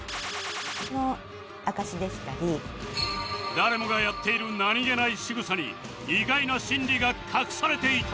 誰もがやっている何げない仕草に意外な心理が隠されていた